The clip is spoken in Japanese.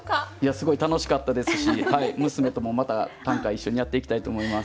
すごい楽しかったですし娘ともまた短歌一緒にやっていきたいと思います。